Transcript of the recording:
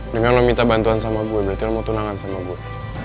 dengan lo minta bantuan sama bu berarti lo mau tunangan sama bu